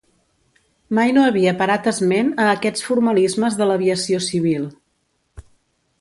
Mai no havia parat esment a aquests formalismes de l'aviació civil.